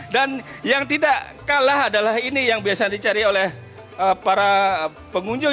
dan yang tidak kalah adalah ini yang biasa dicari oleh para pengunjung